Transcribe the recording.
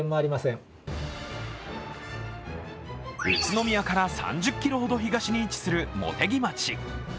宇都宮から３０ｋｍほど東に位置する茂木町。